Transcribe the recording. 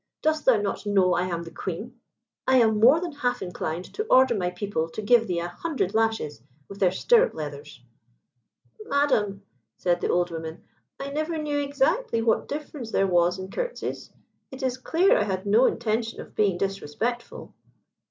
Dost thou not know I am the Queen? I am more than half inclined to order my people to give thee an hundred lashes with their stirrup leathers." "Madam," said the old woman, "I never knew exactly what difference there was in curtseys. It is clear I had no intention of being disrespectful."